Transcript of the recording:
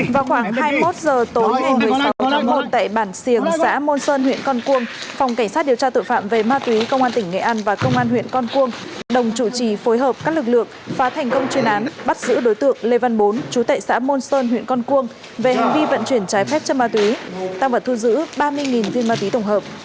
vào khoảng hai mươi một h tối ngày một mươi sáu tháng một tại bản siếng xã môn sơn huyện con cuông phòng cảnh sát điều tra tội phạm về ma túy công an tỉnh nghệ an và công an huyện con cuông đồng chủ trì phối hợp các lực lượng phá thành công chuyên án bắt giữ đối tượng lê văn bốn chú tệ xã môn sơn huyện con cuông về hành vi vận chuyển trái phép chân ma túy tăng vật thu giữ ba mươi viên ma túy tổng hợp